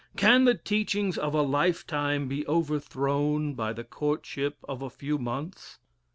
Can the teachings of a lifetime be overthrown by the courtship of a few months?